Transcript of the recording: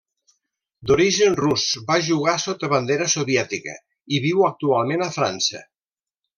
D'origen rus, va jugar sota bandera soviètica, i viu actualment a França.